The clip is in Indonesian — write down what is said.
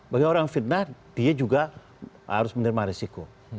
bagi orang yang fitnah dia juga harus menerima risiko